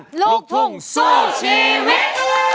กลุ่มลูกทุ่มสู้ชีวิต